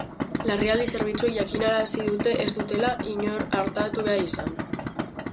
Larrialdi zerbitzuek jakinarazi dute ez dutela inor artatu behar izan.